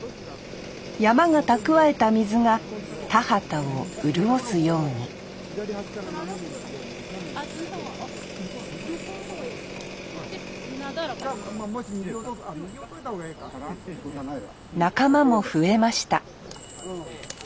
山が蓄えた水が田畑を潤すように仲間も増えました。